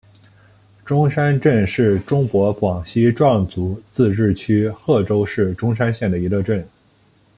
钟山镇是中国广西壮族自治区贺州市钟山县的一个镇。